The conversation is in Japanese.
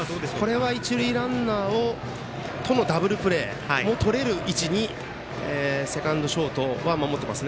これは一塁ランナーをダブルプレーもとれる位置にセカンド、ショートは守っています。